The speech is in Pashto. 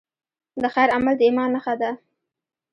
د خیر عمل د ایمان نښه ده.